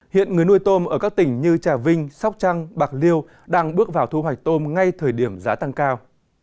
hiện người nuôi tôm ở các tỉnh như trà vinh sóc trăng bạc liêu đang bước vào thu hoạch tôm ngay thời điểm giá tăng cao